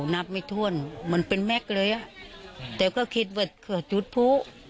นางกระหนกวันนางดูนางอยู่